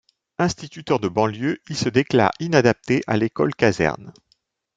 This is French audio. Instituteur de banlieue, il se déclare inadapté à l’école-caserne.